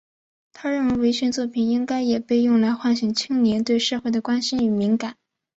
他认为文学作品应该也被用来唤醒青年对社会的关心与敏感。